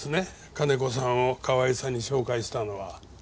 金子さんを河合さんに紹介したのは。